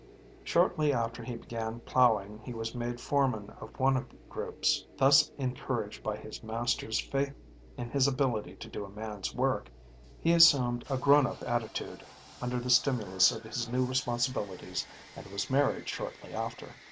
Shortly after he began plowing he was made foreman of one of the groups. Thus encouraged by his master's faith in his ability to do a man's work, he assumed a "grown up" attitude under the stimulus of his new responsibilities and was married shortly after.